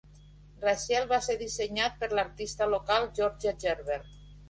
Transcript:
"Rachel" va ser dissenyat per l'artista local Georgia Gerber.